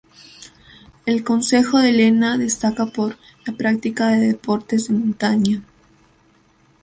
El concejo de Lena destaca por la práctica de deportes de montaña.